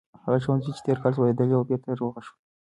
هغه ښوونځی چې تیر کال سوځېدلی و بېرته رغول شوی دی.